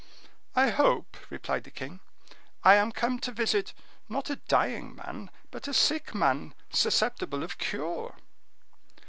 "I hope," replied the king, "I am come to visit, not a dying man, but a sick man, susceptible of cure."